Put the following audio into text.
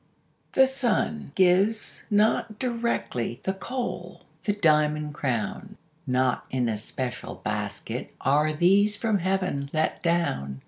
The sun gives not directly The coal, the diamond crown; Not in a special basket Are these from Heaven let down.